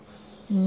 うん。